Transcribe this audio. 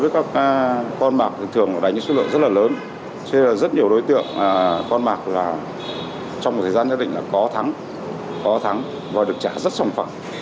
các con bạc thường đánh sức lượng rất là lớn cho nên rất nhiều đối tượng con bạc trong thời gian nhất định là có thắng có thắng và được trả rất sòng phẳng